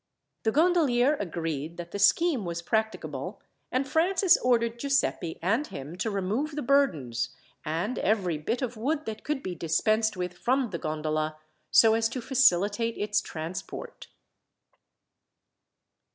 The gondolier agreed that the scheme was practicable, and Francis ordered Giuseppi and him to remove the burdens, and every bit of wood that could be dispensed with from the gondola, so as to facilitate its transport.